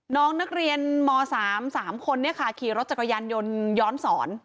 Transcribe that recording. น้องนักเรียนม๓๓คนขี่รถจักรยานยนต์ย้อนสอน